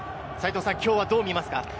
きょうはどう見ますか？